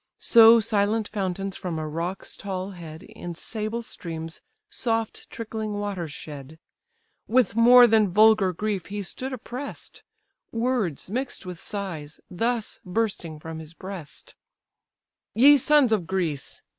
So silent fountains, from a rock's tall head, In sable streams soft trickling waters shed. With more than vulgar grief he stood oppress'd; Words, mix'd with sighs, thus bursting from his breast: "Ye sons of Greece!